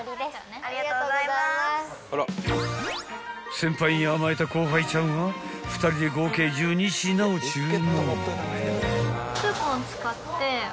［先輩に甘えた後輩ちゃんは２人で合計１２品を注文］